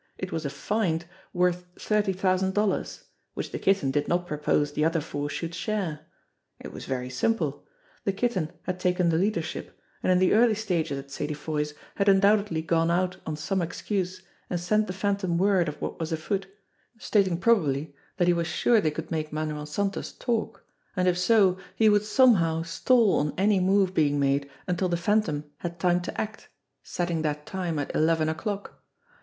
It was a "find" worth thirty thousand dollars which the Kitten did not propose the other four should share. It was very simple! The Kitten had taken the leadership, and in the early stages at Sadie Foy's had undoubtedly gone out on some excuse and sent the Phantom word of what was afoot, stating probably that he was sure they could make Manuel Santos talk, and if so he would somehow stall on any move being made until the Phantom had time to act, setting that time at eleven o'clock.